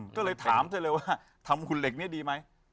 ก็เลยถามเธอเลยว่าทำหุ่นเหล็กนี้ดีไหม